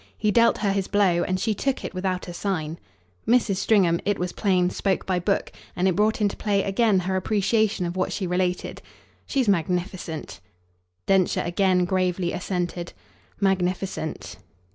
He dealt her his blow, and she took it without a sign." Mrs. Stringham, it was plain, spoke by book, and it brought into play again her appreciation of what she related. "She's magnificent." Densher again gravely assented. "Magnificent!"